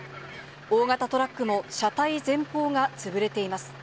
大型トラックの車体前方が潰れています。